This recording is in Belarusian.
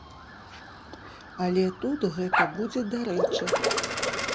Але тут гэта будзе дарэчы.